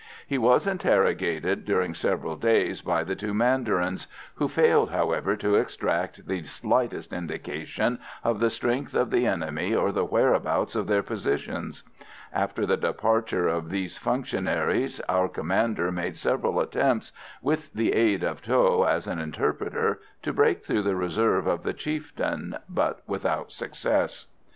He was interrogated during several days by the two mandarins, who failed, however, to extract the slightest indication of the strength of the enemy or the whereabouts of their positions. After the departure of these functionaries, our commander made several attempts, with the aid of Tho as an interpreter, to break through the reserve of the chieftain, but without success.